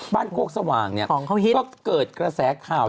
โคกสว่างเนี่ยก็เกิดกระแสข่าว